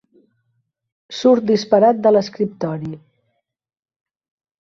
Surt disparat de l'escriptori.